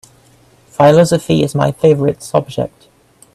Philosophy is my favorite subject.